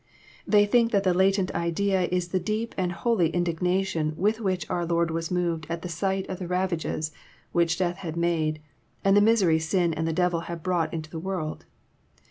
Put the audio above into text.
They think that the latent idea is the deep and holy indignation with which our Lord was moved at the sight of the ravages which death had made, and the misery sin and the devil had brought into the world.